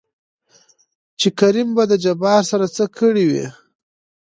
چې کريم به د جبار سره څه کړې وي؟